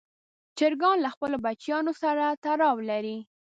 چرګان له خپلو بچیانو سره تړاو لري.